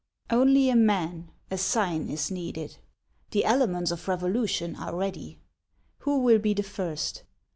Only a man, a sign, is needed; the elements of revolution are ready. "Who will be the first